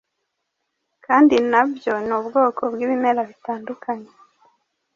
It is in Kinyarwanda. kandi nabyo ni ubwoko bwibimera bitandukanye